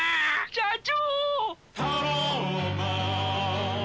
社長！